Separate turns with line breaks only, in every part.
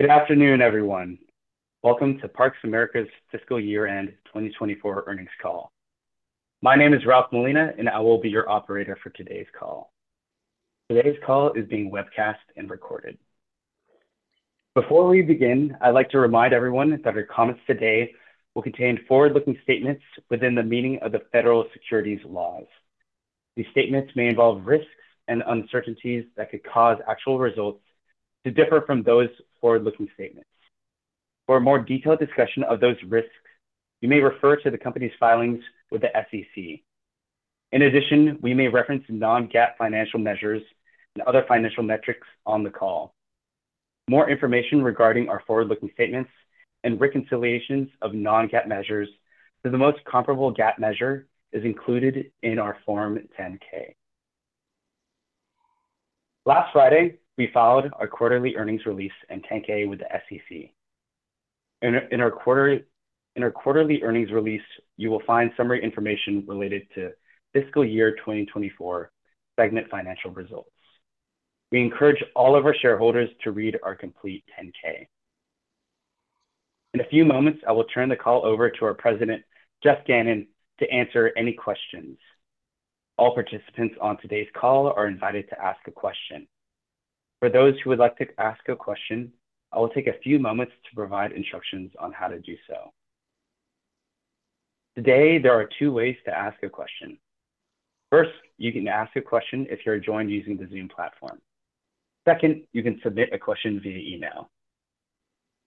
Good afternoon, everyone. Welcome to Parks! America's Fiscal Year-End 2024 Earnings Call. My name is Ralph Molina, and I will be your operator for today's call. Today's call is being webcast and recorded. Before we begin, I'd like to remind everyone that our comments today will contain forward-looking statements within the meaning of the federal securities laws. These statements may involve risks and uncertainties that could cause actual results to differ from those forward-looking statements. For a more detailed discussion of those risks, you may refer to the company's filings with the SEC. In addition, we may reference non-GAAP financial measures and other financial metrics on the call. More information regarding our forward-looking statements and reconciliations of non-GAAP measures to the most comparable GAAP measure is included in our Form 10-K. Last Friday, we filed our quarterly earnings release and 10-K with the SEC. In our quarterly earnings release, you will find summary information related to Fiscal Year 2024 segment financial results. We encourage all of our shareholders to read our complete 10-K. In a few moments, I will turn the call over to our President, Geoff Gannon, to answer any questions. All participants on today's call are invited to ask a question. For those who would like to ask a question, I will take a few moments to provide instructions on how to do so. Today, there are two ways to ask a question. First, you can ask a question if you're joined using the Zoom platform. Second, you can submit a question via email.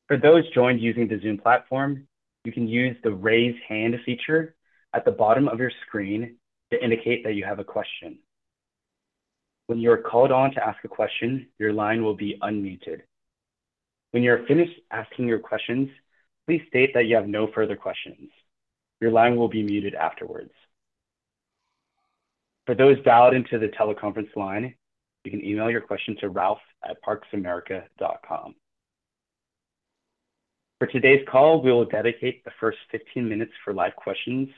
For those joined using the Zoom platform, you can use the Raise Hand feature at the bottom of your screen to indicate that you have a question. When you are called on to ask a question, your line will be unmuted. When you're finished asking your questions, please state that you have no further questions. Your line will be muted afterwards. For those dialed into the teleconference line, you can email your question to ralph@parksamerica.com. For today's call, we will dedicate the first 15 minutes for live questions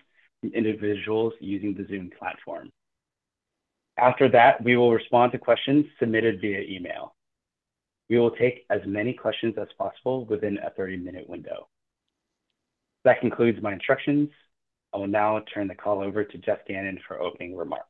from individuals using the Zoom platform. After that, we will respond to questions submitted via email. We will take as many questions as possible within a 30-minute window. That concludes my instructions. I will now turn the call over to Geoff Gannon for opening remarks.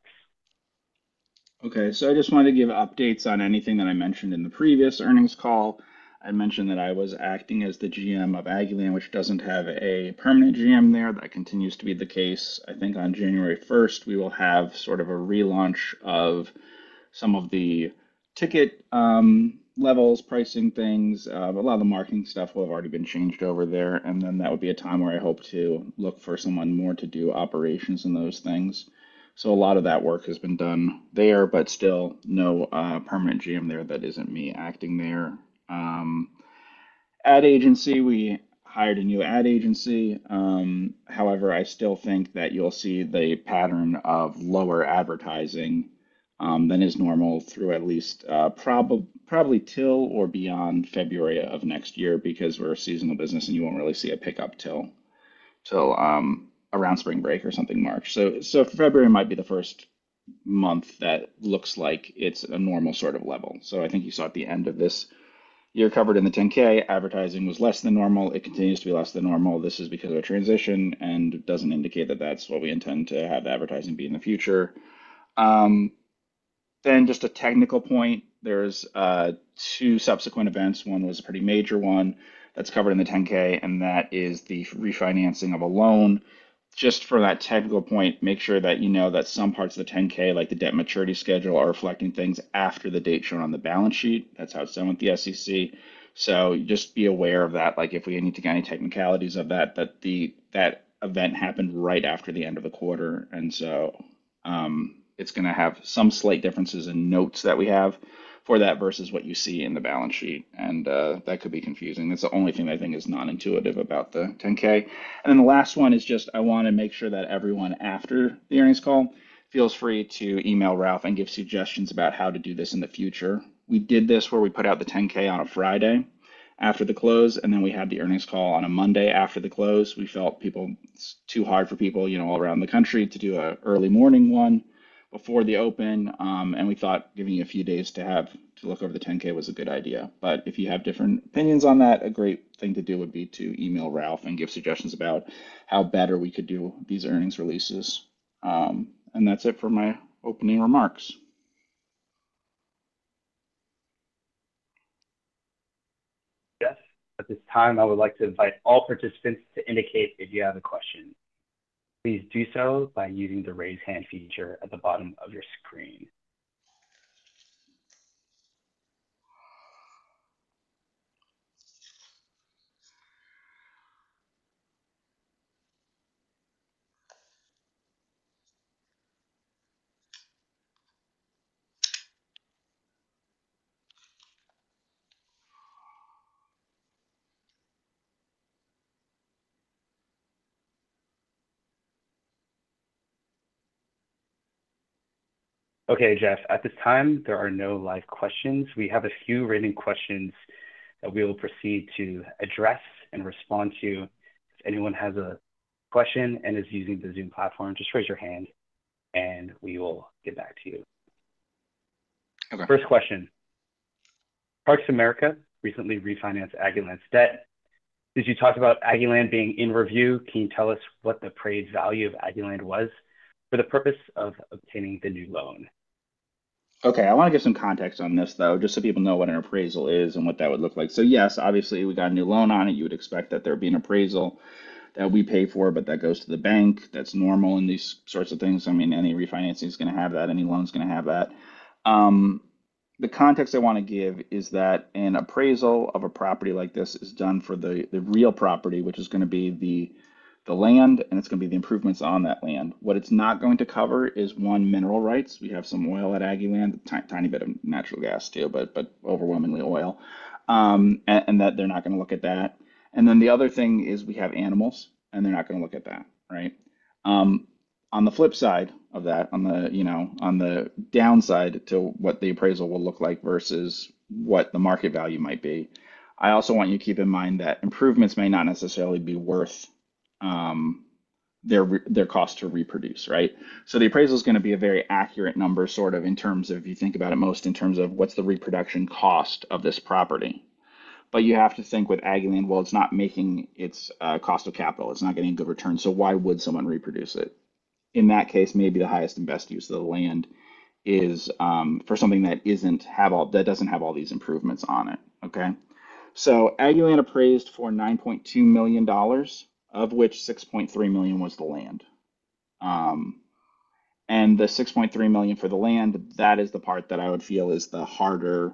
Okay. So I just wanted to give updates on anything that I mentioned in the previous earnings call. I mentioned that I was acting as the GM of Aggieland, which doesn't have a permanent GM there. That continues to be the case. I think on January 1st, we will have sort of a relaunch of some of the ticket levels, pricing things. A lot of the marketing stuff will have already been changed over there. And then that would be a time where I hope to look for someone more to do operations and those things. So a lot of that work has been done there, but still no permanent GM there that isn't me acting there. Ad agency, we hired a new ad agency. However, I still think that you'll see the pattern of lower advertising than is normal through at least probably till or beyond February of next year because we're a seasonal business and you won't really see a pickup till around spring break or something March. So February might be the first month that looks like it's a normal sort of level. So I think you saw at the end of this year. You're covered in the 10-K. Advertising was less than normal. It continues to be less than normal. This is because of a transition and doesn't indicate that that's what we intend to have the advertising be in the future. Then just a technical point, there's two subsequent events. One was a pretty major one that's covered in the 10-K, and that is the refinancing of a loan. Just for that technical point, make sure that you know that some parts of the 10-K, like the debt maturity schedule, are reflecting things after the date shown on the balance sheet. That's how it's done with the SEC, so just be aware of that. If we need to get any technicalities of that, that event happened right after the end of the quarter, and so it's going to have some slight differences in notes that we have for that versus what you see in the balance sheet, and that could be confusing. That's the only thing I think is non-intuitive about the 10-K, and then the last one is just I want to make sure that everyone after the earnings call feels free to email Ralph and give suggestions about how to do this in the future. We did this where we put out the 10-K on a Friday after the close, and then we had the earnings call on a Monday after the close. We felt it's too hard for people all around the country to do an early morning one before the open, and we thought giving you a few days to look over the 10-K was a good idea, but if you have different opinions on that, a great thing to do would be to email Ralph and give suggestions about how better we could do these earnings releases, and that's it for my opening remarks.
Geoff, at this time, I would like to invite all participants to indicate if you have a question. Please do so by using the Raise Hand feature at the bottom of your screen. Okay, Geoff. At this time, there are no live questions. We have a few written questions that we will proceed to address and respond to. If anyone has a question and is using the Zoom platform, just raise your hand and we will get back to you.
Okay.
First question. Parks! America recently refinanced Aggieland's debt. Did you talk about Aggieland being in review? Can you tell us what the appraised value of Aggieland was for the purpose of obtaining the new loan?
Okay. I want to give some context on this, though, just so people know what an appraisal is and what that would look like. Yes, obviously, we got a new loan on it. You would expect that there would be an appraisal that we pay for, but that goes to the bank. That's normal in these sorts of things. I mean, any refinancing is going to have that. Any loan is going to have that. The context I want to give is that an appraisal of a property like this is done for the real property, which is going to be the land, and it's going to be the improvements on that land. What it's not going to cover is, one, mineral rights. We have some oil at Aggieland, a tiny bit of natural gas too, but overwhelmingly oil, and that they're not going to look at that. And then the other thing is we have animals, and they're not going to look at that, right? On the flip side of that, on the downside to what the appraisal will look like versus what the market value might be, I also want you to keep in mind that improvements may not necessarily be worth their cost to reproduce, right? So the appraisal is going to be a very accurate number sort of in terms of if you think about it most in terms of what's the reproduction cost of this property. But you have to think with Aggieland, well, it's not making its cost of capital. It's not getting a good return. So why would someone reproduce it? In that case, maybe the highest and best use of the land is for something that doesn't have all these improvements on it, okay? Aggieland appraised for $9.2 million, of which $6.3 million was the land. And the $6.3 million for the land, that is the part that I would feel is the harder,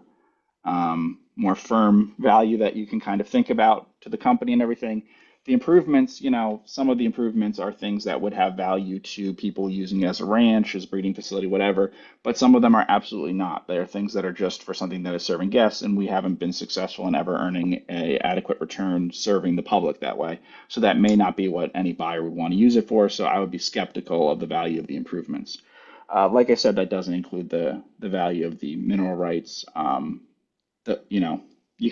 more firm value that you can kind of think about to the company and everything. The improvements, some of the improvements are things that would have value to people using it as a ranch, as a breeding facility, whatever, but some of them are absolutely not. There are things that are just for something that is serving guests, and we haven't been successful in ever earning an adequate return serving the public that way. So that may not be what any buyer would want to use it for. So I would be skeptical of the value of the improvements. Like I said, that doesn't include the value of the mineral rights. You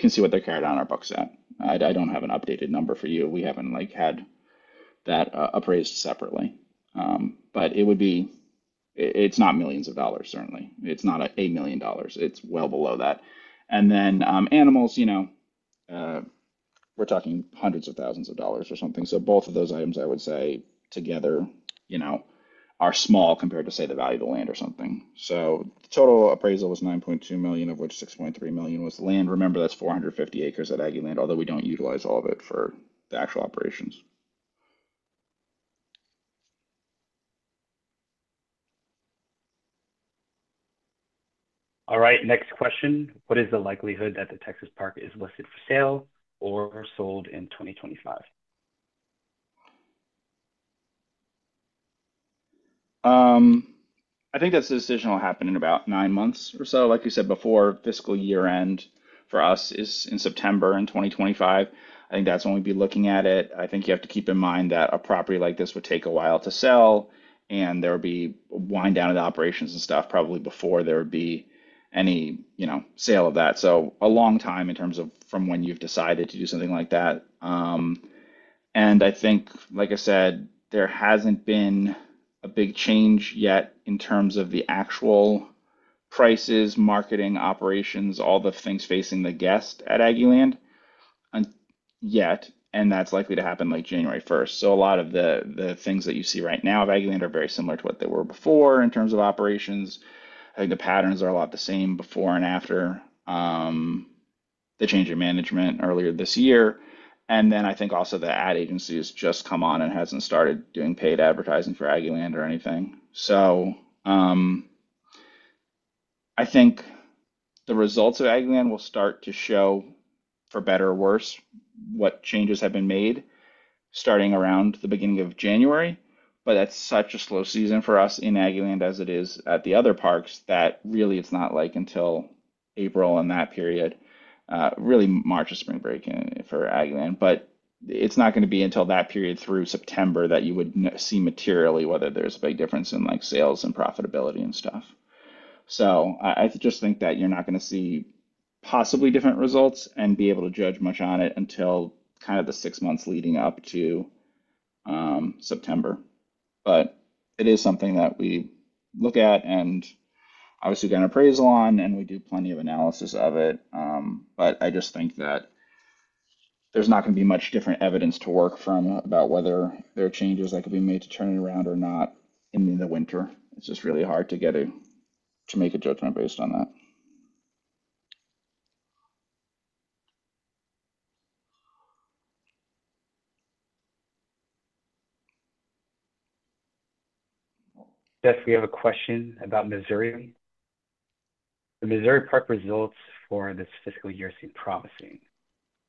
can see what they're carried on our books at. I don't have an updated number for you. We haven't had that appraised separately. But it's not millions of dollars, certainly. It's not $8 million. It's well below that. And then animals, we're talking hundreds of thousands of dollars or something. So both of those items, I would say, together are small compared to, say, the value of the land or something. So the total appraisal was $9.2 million, of which $6.3 million was the land. Remember, that's 450 acres at Aggieland, although we don't utilize all of it for the actual operations.
All right. Next question. What is the likelihood that the Texas park is listed for sale or sold in 2025?
I think that's a decision that will happen in about nine months or so. Like you said before, fiscal year-end for us is in September 2025. I think that's when we'd be looking at it. I think you have to keep in mind that a property like this would take a while to sell, and there would be a wind down of the operations and stuff probably before there would be any sale of that. So a long time in terms of from when you've decided to do something like that. And I think, like I said, there hasn't been a big change yet in terms of the actual prices, marketing, operations, all the things facing the guest at Aggieland yet. And that's likely to happen like January 1st. A lot of the things that you see right now of Aggieland are very similar to what they were before in terms of operations. I think the patterns are a lot the same before and after the change in management earlier this year. Then I think also the ad agency has just come on and hasn't started doing paid advertising for Aggieland or anything. I think the results of Aggieland will start to show, for better or worse, what changes have been made starting around the beginning of January. That's such a slow season for us in Aggieland as it is at the other parks. That really it's not like until April and that period, really March and spring break for Aggieland. But it's not going to be until that period through September that you would see materially whether there's a big difference in sales and profitability and stuff. So I just think that you're not going to see possibly different results and be able to judge much on it until kind of the six months leading up to September. But it is something that we look at and obviously get an appraisal on, and we do plenty of analysis of it. But I just think that there's not going to be much different evidence to work from about whether there are changes that could be made to turn it around or not in the winter. It's just really hard to make a judgment based on that.
Geoff, we have a question about Missouri. The Missouri park results for this fiscal year seem promising.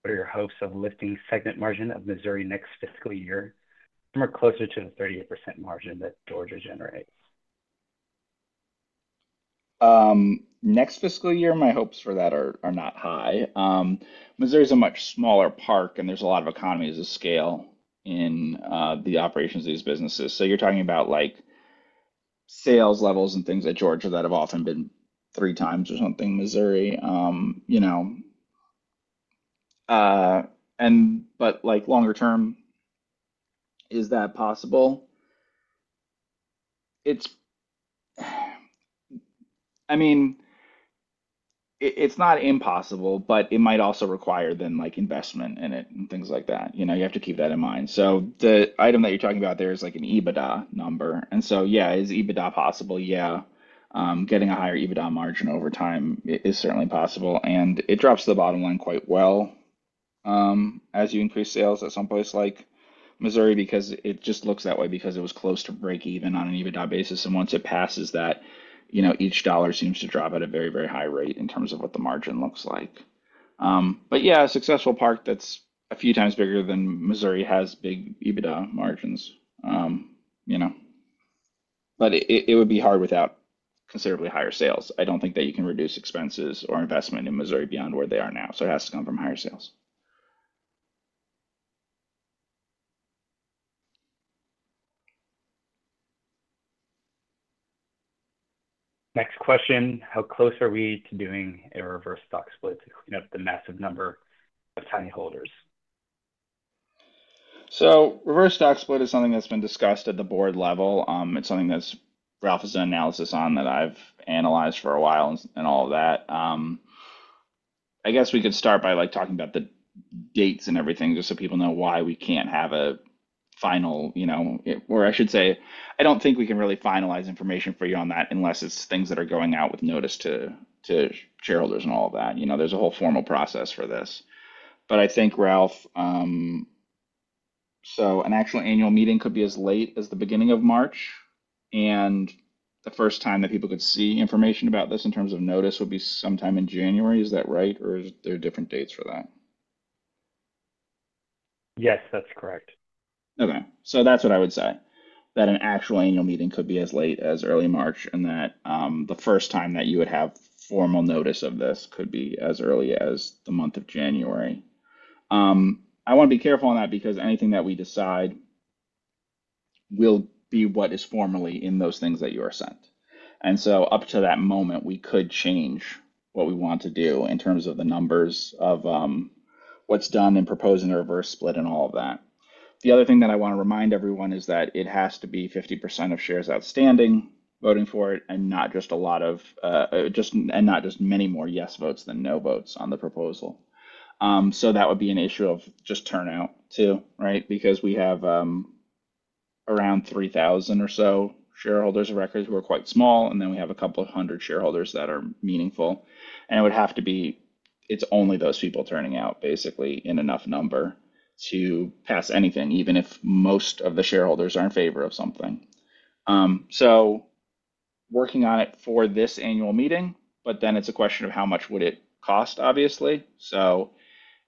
What are your hopes of lifting segment margin of Missouri next fiscal year? Somewhere closer to the 38% margin that Georgia generates.
Next fiscal year, my hopes for that are not high. Missouri is a much smaller park, and there's a lot of economies of scale in the operations of these businesses. So you're talking about sales levels and things at Georgia that have often been three times or something Missouri. But longer term, is that possible? I mean, it's not impossible, but it might also require then investment in it and things like that. You have to keep that in mind. So the item that you're talking about there is like an EBITDA number. And so, yeah, is EBITDA possible? Yeah. Getting a higher EBITDA margin over time is certainly possible. And it drops the bottom line quite well as you increase sales at some place like Missouri because it just looks that way because it was close to break even on an EBITDA basis. Once it passes that, each dollar seems to drop at a very, very high rate in terms of what the margin looks like. Yeah, a successful park that's a few times bigger than Missouri has big EBITDA margins. It would be hard without considerably higher sales. I don't think that you can reduce expenses or investment in Missouri beyond where they are now. It has to come from higher sales.
Next question. How close are we to doing a reverse stock split to clean up the massive number of tiny holders?
So reverse stock split is something that's been discussed at the board level. It's something that Ralph has done analysis on that I've analyzed for a while and all of that. I guess we could start by talking about the dates and everything just so people know why we can't have a final, or I should say, I don't think we can really finalize information for you on that unless it's things that are going out with notice to shareholders and all of that. There's a whole formal process for this. But I think, Ralph, so an actual annual meeting could be as late as the beginning of March. And the first time that people could see information about this in terms of notice would be sometime in January. Is that right? Or are there different dates for that?
Yes, that's correct.
Okay. So that's what I would say, that an actual annual meeting could be as late as early March and that the first time that you would have formal notice of this could be as early as the month of January. I want to be careful on that because anything that we decide will be what is formally in those things that you are sent. And so up to that moment, we could change what we want to do in terms of the numbers of what's done and proposing a reverse split and all of that. The other thing that I want to remind everyone is that it has to be 50% of shares outstanding, voting for it, and not just a lot of, and not just many more yes votes than no votes on the proposal. So that would be an issue of just turnout too, right? Because we have around 3,000 or so shareholders of record who are quite small, and then we have a couple of hundred shareholders that are meaningful. It would have to be it's only those people turning out basically in enough number to pass anything, even if most of the shareholders are in favor of something. We are working on it for this annual meeting, but then it's a question of how much would it cost, obviously.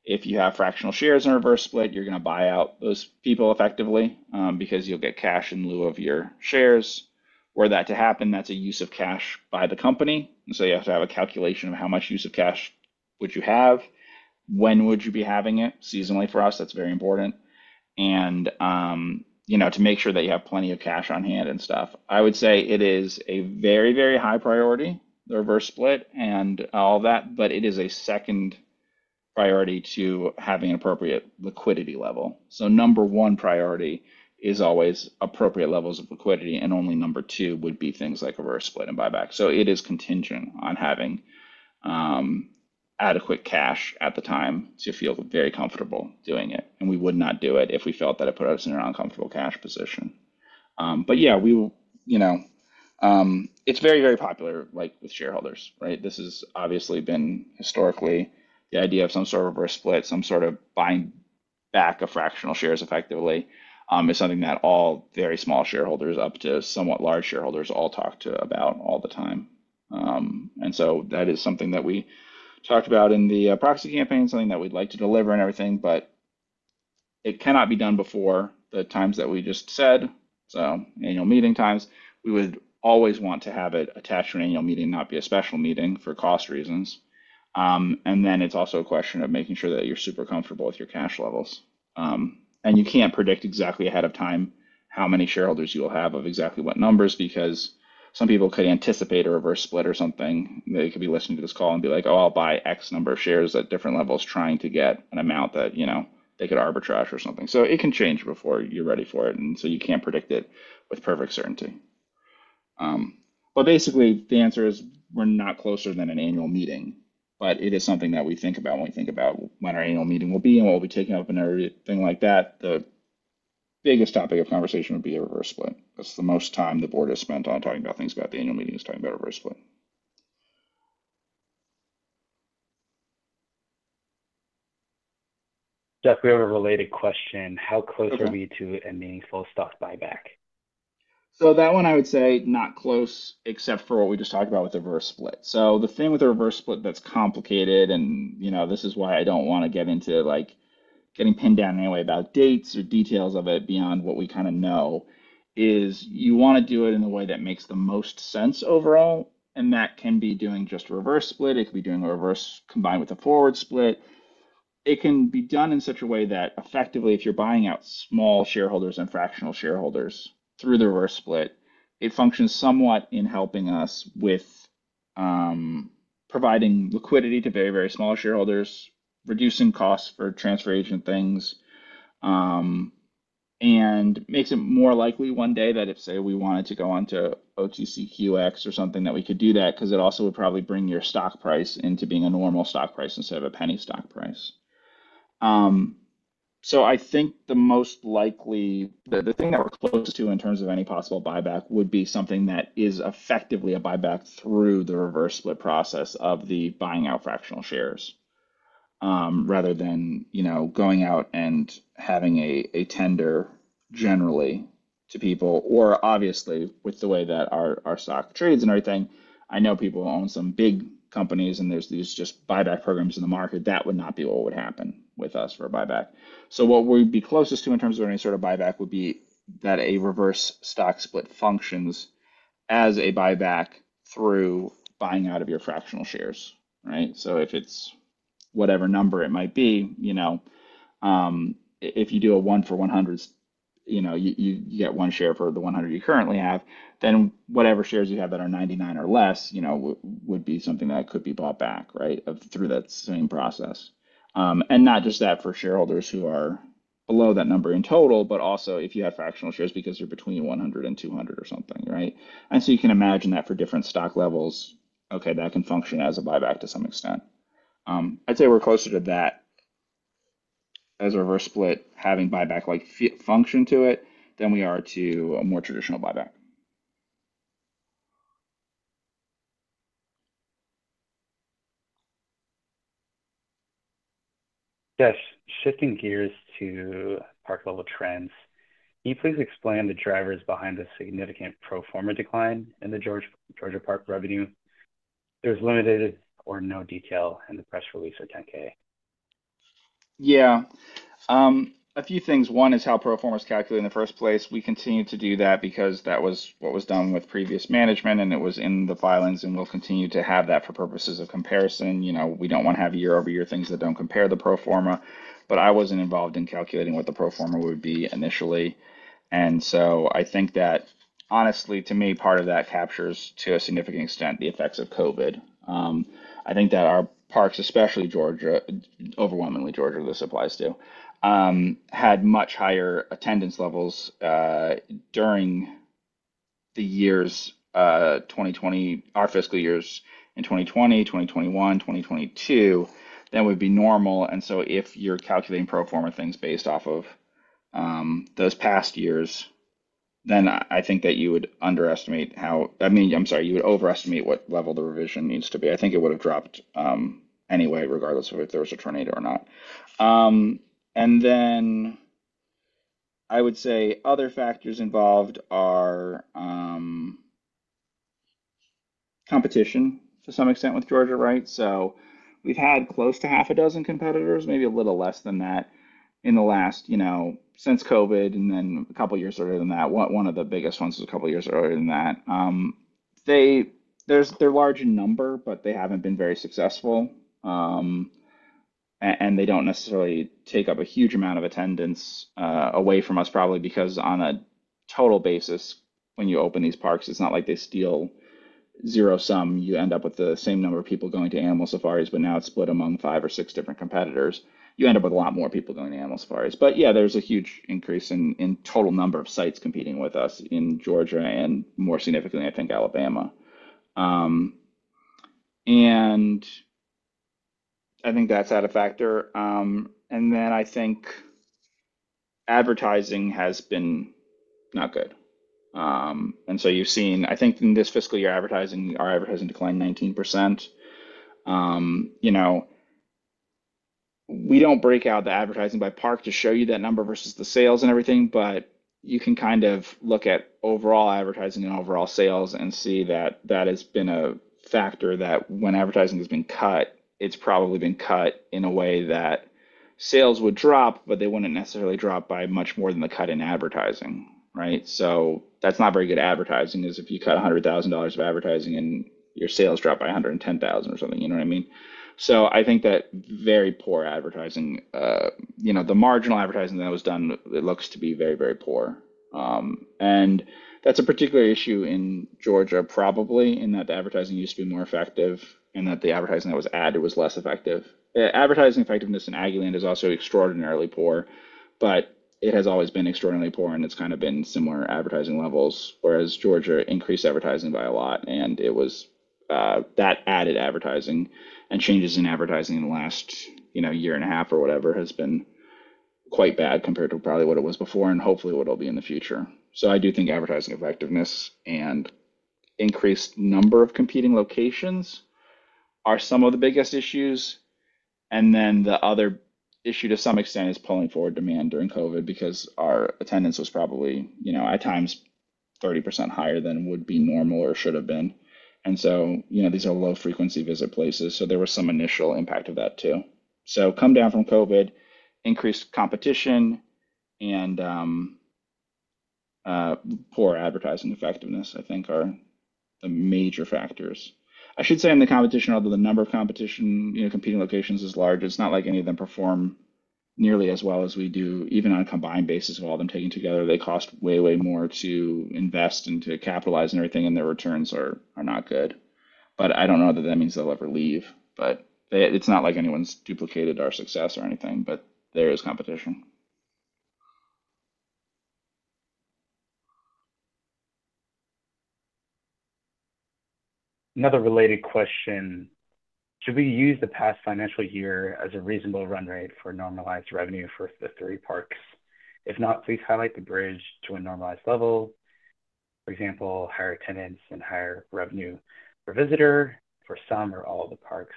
If you have fractional shares in a reverse split, you're going to buy out those people effectively because you'll get cash in lieu of your shares. For that to happen, that's a use of cash by the company. You have to have a calculation of how much use of cash would you have. When would you be having it? Seasonally for us, that's very important. To make sure that you have plenty of cash on hand and stuff. I would say it is a very, very high priority, the reverse split and all that, but it is a second priority to having an appropriate liquidity level. Number one priority is always appropriate levels of liquidity, and only number two would be things like reverse split and buyback. It is contingent on having adequate cash at the time to feel very comfortable doing it. We would not do it if we felt that it put us in an uncomfortable cash position. Yeah, it's very, very popular with shareholders, right? This has obviously been historically the idea of some sort of reverse split, some sort of buying back a fractional shares effectively is something that all very small shareholders up to somewhat large shareholders all talk to about all the time. And so that is something that we talked about in the proxy campaign, something that we'd like to deliver and everything, but it cannot be done before the times that we just said. So annual meeting times, we would always want to have it attached to an annual meeting, not be a special meeting for cost reasons. And then it's also a question of making sure that you're super comfortable with your cash levels. And you can't predict exactly ahead of time how many shareholders you will have of exactly what numbers because some people could anticipate a reverse split or something. They could be listening to this call and be like, "Oh, I'll buy X number of shares at different levels trying to get an amount that they could arbitrage or something." So it can change before you're ready for it. And so you can't predict it with perfect certainty. But basically, the answer is we're not closer than an annual meeting. But it is something that we think about when we think about when our annual meeting will be and what we'll be taking up and everything like that. The biggest topic of conversation would be a reverse split. That's the most time the board has spent on talking about things about the annual meeting is talking about a reverse split.
Geoff, we have a related question. How close are we to a meaningful stock buyback?
So that one I would say not close except for what we just talked about with the reverse split. So the thing with the reverse split that's complicated, and this is why I don't want to get into getting pinned down anyway about dates or details of it beyond what we kind of know is you want to do it in a way that makes the most sense overall. And that can be doing just a reverse split. It could be doing a reverse combined with a forward split. It can be done in such a way that effectively, if you're buying out small shareholders and fractional shareholders through the reverse split, it functions somewhat in helping us with providing liquidity to very, very small shareholders, reducing costs for transfer agent things, and makes it more likely one day that if, say, we wanted to go on to OTCQX or something, that we could do that because it also would probably bring your stock price into being a normal stock price instead of a penny stock price. So I think the most likely thing that we're close to in terms of any possible buyback would be something that is effectively a buyback through the reverse split process of the buying out fractional shares rather than going out and having a tender generally to people. Or, obviously, with the way that our stock trades and everything, I know people own some big companies and there's these just buyback programs in the market. That would not be what would happen with us for a buyback. So what we'd be closest to in terms of any sort of buyback would be that a reverse stock split functions as a buyback through buying out of your fractional shares, right? So if it's whatever number it might be, if you do a one for 100, you get one share for the 100 you currently have, then whatever shares you have that are 99 or less would be something that could be bought back, right, through that same process. And not just that for shareholders who are below that number in total, but also if you have fractional shares because you're between 100 and 200 or something, right? And so you can imagine that for different stock levels, okay, that can function as a buyback to some extent. I'd say we're closer to that as a reverse split having buyback function to it than we are to a more traditional buyback.
Yes. Shifting gears to park-level trends, can you please explain the drivers behind the significant pro forma decline in the Georgia park revenue? There's limited or no detail in the press release or 10-K.
Yeah. A few things. One is how pro forma is calculated in the first place. We continue to do that because that was what was done with previous management, and it was in the filings, and we'll continue to have that for purposes of comparison. We don't want to have year-over-year things that don't compare the pro forma. But I wasn't involved in calculating what the pro forma would be initially. And so I think that, honestly, to me, part of that captures to a significant extent the effects of COVID. I think that our parks, especially Georgia, overwhelmingly Georgia, this applies to, had much higher attendance levels during the years, our fiscal years in 2020, 2021, 2022 than would be normal. So if you're calculating pro forma things based off of those past years, then I think that you would underestimate how. I mean, I'm sorry, you would overestimate what level the revision needs to be. I think it would have dropped anyway, regardless of if there was a tornado or not. Then I would say other factors involved are competition to some extent with Georgia, right? So we've had close to half a dozen competitors, maybe a little less than that in the last, since COVID, and then a couple of years earlier than that. One of the biggest ones was a couple of years earlier than that. They're large in number, but they haven't been very successful. And they don't necessarily take up a huge amount of attendance away from us, probably because on a total basis, when you open these parks, it's not like they steal zero-sum. You end up with the same number of people going to animal safaris, but now it's split among five or six different competitors. You end up with a lot more people going to animal safaris. But yeah, there's a huge increase in total number of sites competing with us in Georgia and, more significantly, I think, Alabama. And I think that's added a factor. And then I think advertising has been not good. And so you've seen, I think in this fiscal year, our advertising declined 19%. We don't break out the advertising by park to show you that number versus the sales and everything, but you can kind of look at overall advertising and overall sales and see that that has been a factor that when advertising has been cut, it's probably been cut in a way that sales would drop, but they wouldn't necessarily drop by much more than the cut in advertising, right? So that's not very good advertising is if you cut $100,000 of advertising and your sales drop by $110,000 or something, you know what I mean? So I think that very poor advertising, the marginal advertising that was done, it looks to be very, very poor, and that's a particular issue in Georgia probably in that the advertising used to be more effective and that the advertising that was added was less effective. Advertising effectiveness in Aggieland is also extraordinarily poor, but it has always been extraordinarily poor and it's kind of been similar advertising levels, whereas Georgia increased advertising by a lot and it was that added advertising and changes in advertising in the last year and a half or whatever has been quite bad compared to probably what it was before and hopefully what it'll be in the future, so I do think advertising effectiveness and increased number of competing locations are some of the biggest issues, and then the other issue to some extent is pulling forward demand during COVID because our attendance was probably at times 30% higher than would be normal or should have been, and so these are low-frequency visit places. There was some initial impact of that too, so come down from COVID, increased competition, and poor advertising effectiveness, I think, are the major factors. I should say, in the competition, although the number of competitors, competing locations is large, it's not like any of them perform nearly as well as we do. Even on a combined basis of all of them taken together, they cost way, way more to invest and to capitalize and everything, and their returns are not good. But I don't know that that means they'll ever leave, but it's not like anyone's duplicated our success or anything, but there is competition.
Another related question. Should we use the past financial year as a reasonable run rate for normalized revenue for the three parks? If not, please highlight the bridge to a normalized level. For example, higher attendance and higher revenue per visitor for some or all of the parks.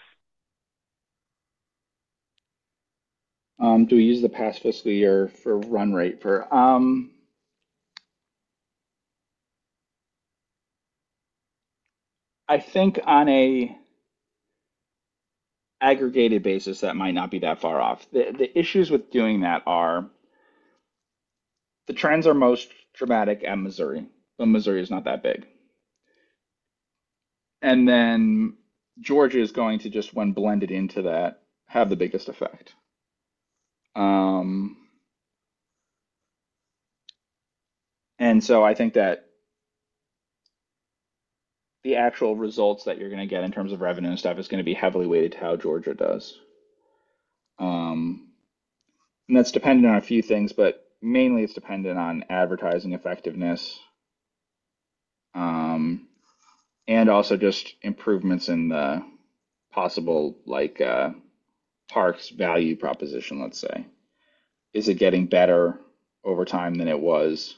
Do we use the past fiscal year for run rate for? I think on an aggregated basis, that might not be that far off. The issues with doing that are the trends are most dramatic at Missouri, but Missouri is not that big. And then Georgia is going to just, when blended into that, have the biggest effect. And so I think that the actual results that you're going to get in terms of revenue and stuff is going to be heavily weighted to how Georgia does. And that's dependent on a few things, but mainly it's dependent on advertising effectiveness and also just improvements in the possible park's value proposition, let's say. Is it getting better over time than it was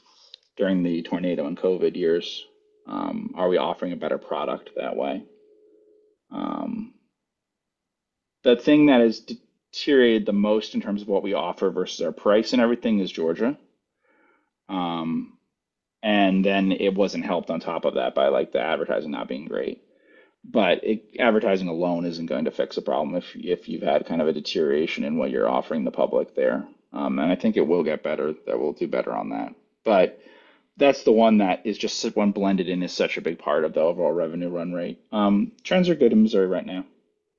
during the tornado and COVID years? Are we offering a better product that way? The thing that has deteriorated the most in terms of what we offer versus our price and everything is Georgia. And then it wasn't helped on top of that by the advertising not being great. But advertising alone isn't going to fix the problem if you've had kind of a deterioration in what you're offering the public there. And I think it will get better that we'll do better on that. But that's the one that is just when blended in is such a big part of the overall revenue run rate. Trends are good in Missouri right now.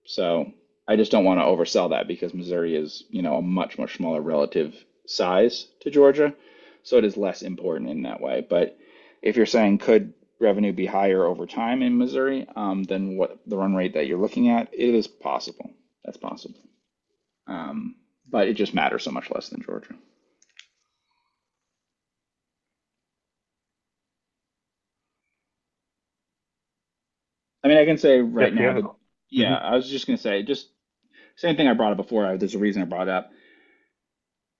So I just don't want to oversell that because Missouri is a much, much smaller relative size to Georgia. So it is less important in that way. But if you're saying could revenue be higher over time in Missouri, then the run rate that you're looking at, it is possible. That's possible. But it just matters so much less than Georgia. I mean, I can say right now.
Yeah.
Yeah. I was just going to say, just same thing I brought up before. There's a reason I brought it up.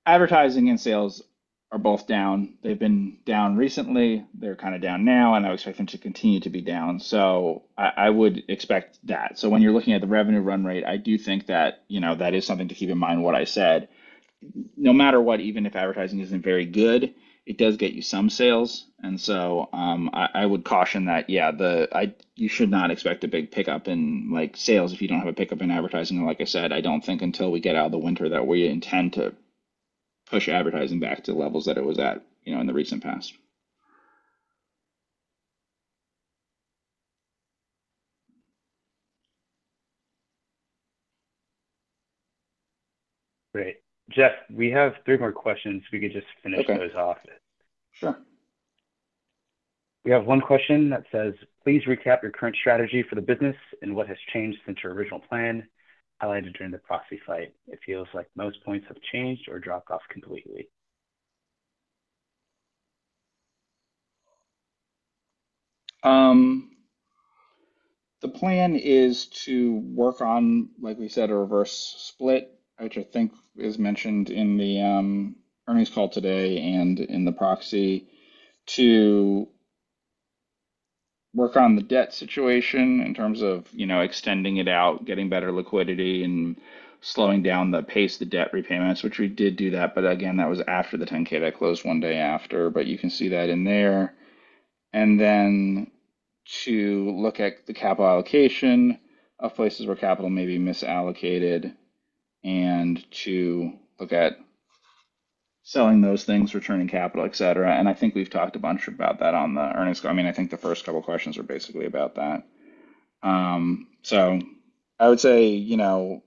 Advertising and sales are both down. They've been down recently. They're kind of down now, and I expect them to continue to be down. So I would expect that. So when you're looking at the revenue run rate, I do think that that is something to keep in mind what I said. No matter what, even if advertising isn't very good, it does get you some sales. And so I would caution that, yeah, you should not expect a big pickup in sales if you don't have a pickup in advertising. And like I said, I don't think until we get out of the winter that we intend to push advertising back to levels that it was at in the recent past.
Great. Geoff, we have three more questions. We could just finish those off.
Sure.
We have one question that says, "Please recap your current strategy for the business and what has changed since your original plan, highlighted during the proxy fight. It feels like most points have changed or dropped off completely.
The plan is to work on, like we said, a reverse split, which I think is mentioned in the earnings call today and in the proxy to work on the debt situation in terms of extending it out, getting better liquidity, and slowing down the pace of the debt repayments, which we did do that. But again, that was after the 10-K that closed one day after, but you can see that in there. And then to look at the capital allocation of places where capital may be misallocated and to look at selling those things, returning capital, etc. And I think we've talked a bunch about that on the earnings call. I mean, I think the first couple of questions were basically about that. So I would say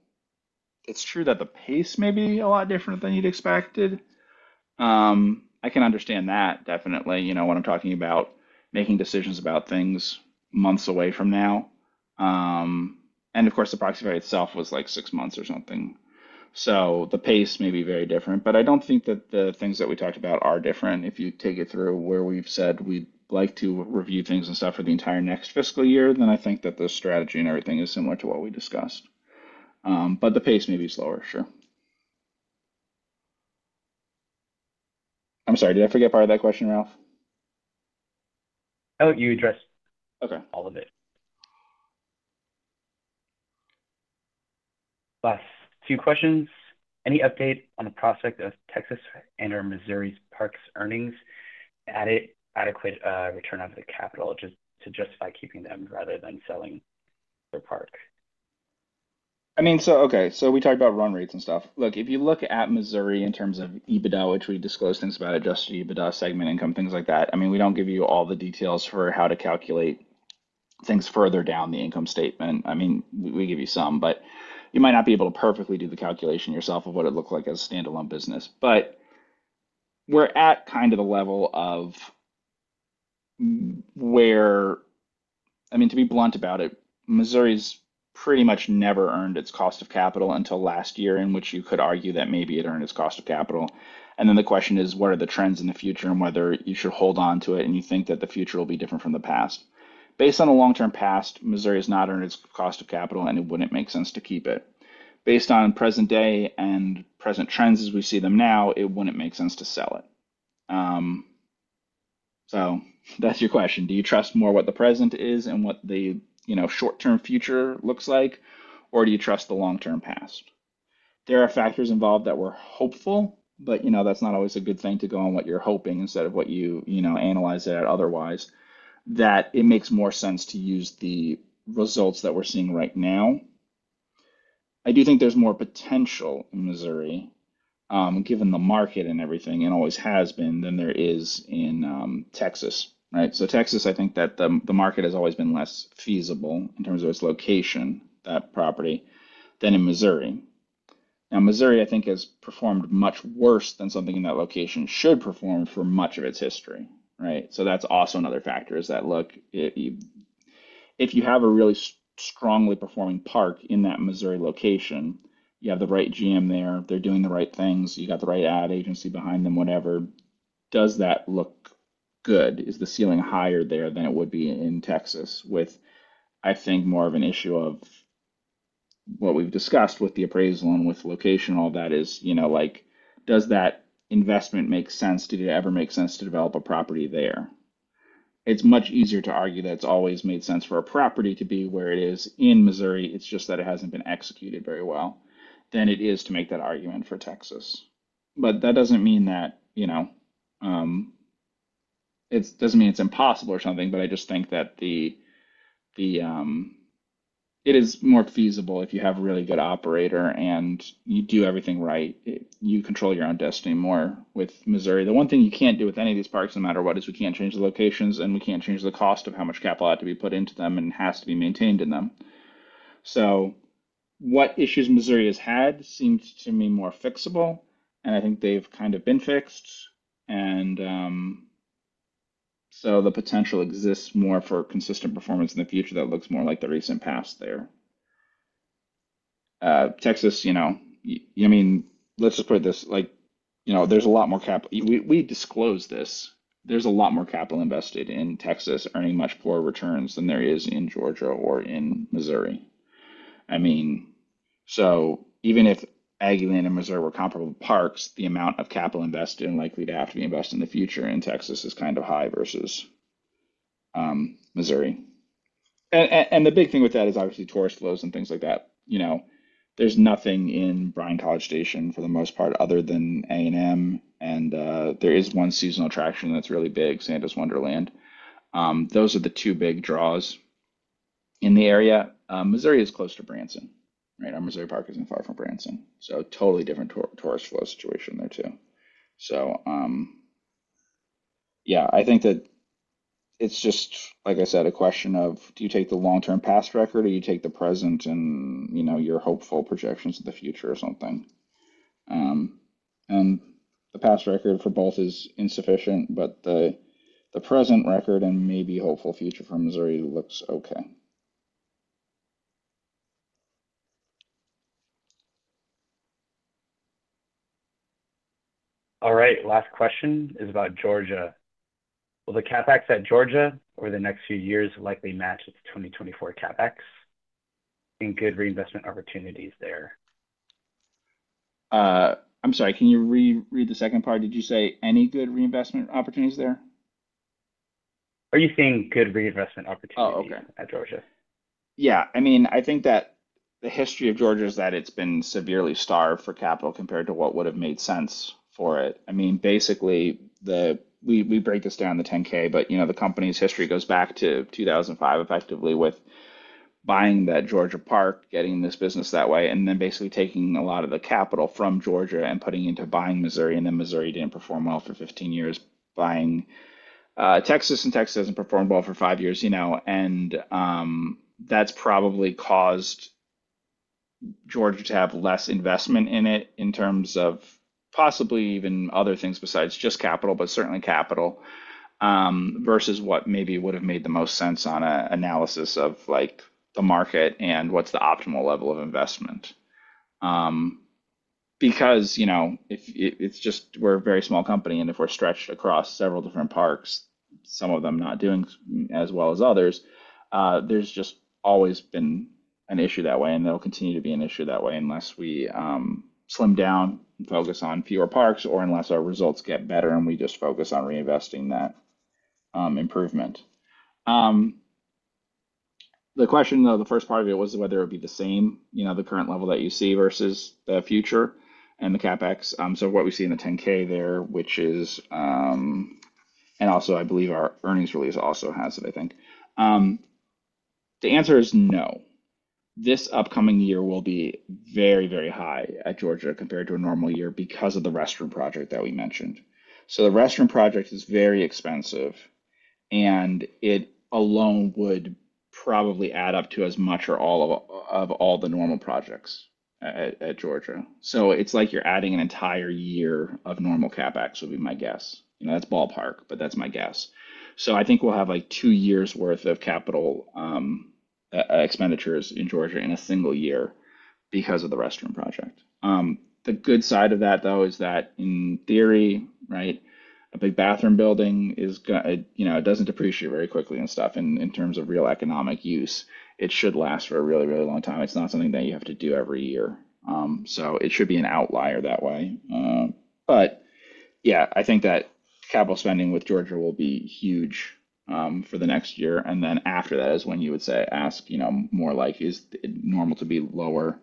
it's true that the pace may be a lot different than you'd expected. I can understand that, definitely, when I'm talking about making decisions about things months away from now. And of course, the proxy fight itself was like six months or something. So the pace may be very different. But I don't think that the things that we talked about are different. If you take it through where we've said we'd like to review things and stuff for the entire next fiscal year, then I think that the strategy and everything is similar to what we discussed. But the pace may be slower, sure. I'm sorry, did I forget part of that question, Ralph?
No, you addressed all of it. Last few questions. Any update on the prospect of Texas and/or Missouri's park's earnings and adequate return on the capital to justify keeping them rather than selling the park?
I mean, so okay. So we talked about run rates and stuff. Look, if you look at Missouri in terms of EBITDA, which we disclosed things about adjusted EBITDA, segment income, things like that. I mean, we don't give you all the details for how to calculate things further down the income statement. I mean, we give you some, but you might not be able to perfectly do the calculation yourself of what it looks like as a standalone business. But we're at kind of the level of where, I mean, to be blunt about it, Missouri's pretty much never earned its cost of capital until last year, in which you could argue that maybe it earned its cost of capital. And then the question is, what are the trends in the future and whether you should hold on to it and you think that the future will be different from the past? Based on the long-term past, Missouri has not earned its cost of capital, and it wouldn't make sense to keep it. Based on present day and present trends as we see them now, it wouldn't make sense to sell it. So that's your question. Do you trust more what the present is and what the short-term future looks like, or do you trust the long-term past? There are factors involved that we're hopeful, but that's not always a good thing to go on what you're hoping instead of what you analyze it at otherwise, that it makes more sense to use the results that we're seeing right now. I do think there's more potential in Missouri, given the market and everything, and always has been, than there is in Texas, right? So Texas, I think that the market has always been less feasible in terms of its location, that property, than in Missouri. Now, Missouri, I think, has performed much worse than something in that location should perform for much of its history, right? So that's also another factor is that, look, if you have a really strongly performing park in that Missouri location, you have the right GM there, they're doing the right things, you got the right ad agency behind them, whatever, does that look good? Is the ceiling higher there than it would be in Texas with, I think, more of an issue of what we've discussed with the appraisal and with location and all that is, does that investment make sense? Did it ever make sense to develop a property there? It's much easier to argue that it's always made sense for a property to be where it is in Missouri. It's just that it hasn't been executed very well than it is to make that argument for Texas. But that doesn't mean it's impossible or something, but I just think that it is more feasible if you have a really good operator and you do everything right. You control your own destiny more with Missouri. The one thing you can't do with any of these parks no matter what is we can't change the locations and we can't change the cost of how much capital had to be put into them and has to be maintained in them. What issues Missouri has had seems to me more fixable, and I think they've kind of been fixed. And so the potential exists more for consistent performance in the future that looks more like the recent past there. Texas, I mean, let's just put it this way. There's a lot more capital. We disclosed this. There's a lot more capital invested in Texas earning much poorer returns than there is in Georgia or in Missouri. I mean, so even if Aggieland and Missouri were comparable parks, the amount of capital invested and likely to have to be invested in the future in Texas is kind of high versus Missouri. And the big thing with that is obviously tourist flows and things like that. There's nothing in Bryan-College Station for the most part other than A&M, and there is one seasonal attraction that's really big, Santa's Wonderland. Those are the two big draws in the area. Missouri is close to Branson, right? Missouri park isn't far from Branson. So totally different tourist flow situation there too. So yeah, I think that it's just, like I said, a question of do you take the long-term past record or you take the present and your hopeful projections of the future or something. And the past record for both is insufficient, but the present record and maybe hopeful future for Missouri looks okay.
All right. Last question is about Georgia. Will the CapEx at Georgia over the next few years likely match its 2024 CapEx? Any good reinvestment opportunities there?
I'm sorry, can you read the second part? Did you say any good reinvestment opportunities there?
Are you saying good reinvestment opportunities at Georgia?
Yeah. I mean, I think that the history of Georgia is that it's been severely starved for capital compared to what would have made sense for it. I mean, basically, we break this down in the 10-K, but the company's history goes back to 2005 effectively with buying that Georgia park, getting this business that way, and then basically taking a lot of the capital from Georgia and putting into buying Missouri, and then Missouri didn't perform well for 15 years, buying Texas and Texas hasn't performed well for five years. And that's probably caused Georgia to have less investment in it in terms of possibly even other things besides just capital, but certainly capital versus what maybe would have made the most sense on an analysis of the market and what's the optimal level of investment. Because it's just we're a very small company, and if we're stretched across several different parks, some of them not doing as well as others, there's just always been an issue that way, and there'll continue to be an issue that way unless we slim down and focus on fewer parks or unless our results get better and we just focus on reinvesting that improvement. The question though, the first part of it was whether it would be the same, the current level that you see versus the future and the CapEx. So what we see in the 10-K there, which is, and also I believe our earnings release also has it, I think. The answer is no. This upcoming year will be very, very high at Georgia compared to a normal year because of the restroom project that we mentioned. So the restroom project is very expensive, and it alone would probably add up to as much or all of all the normal projects at Georgia. So it's like you're adding an entire year of normal CapEx would be my guess. That's ballpark, but that's my guess. So I think we'll have like two years' worth of capital expenditures in Georgia in a single year because of the restroom project. The good side of that though is that in theory, right, a big bathroom building doesn't depreciate very quickly and stuff. And in terms of real economic use, it should last for a really, really long time. It's not something that you have to do every year. So it should be an outlier that way. But yeah, I think that capital spending in Georgia will be huge for the next year. And then after that is when you would say, ask more like, is it normal to be lower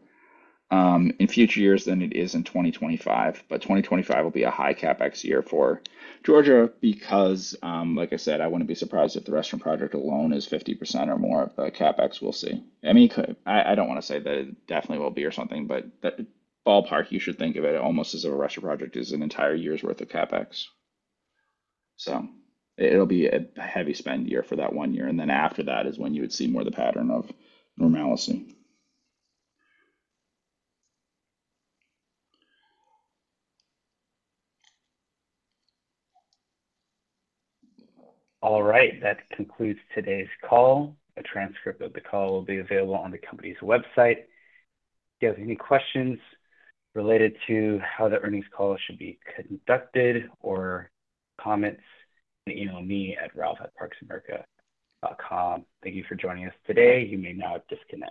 in future years than it is in 2025? But 2025 will be a high CapEx year for Georgia because, like I said, I wouldn't be surprised if the restroom project alone is 50% or more of the CapEx we'll see. I mean, I don't want to say that it definitely will be or something, but ballpark, you should think of it almost as if a restroom project is an entire year's worth of CapEx. So it'll be a heavy spend year for that one year. And then after that is when you would see more of the pattern of normalcy.
All right. That concludes today's call. A transcript of the call will be available on the company's website. If you have any questions related to how the earnings call should be conducted or comments, email me at ralph@parksamerica.com. Thank you for joining us today. You may now be disconnected.